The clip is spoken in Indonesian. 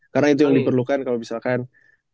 karena itu yang diperlukan kalo bisa diperlukan ya boh ya